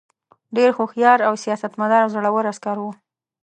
ډېر هوښیار سیاستمدار او زړه ور عسکر وو.